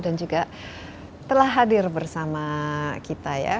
dan juga telah hadir bersama kita ya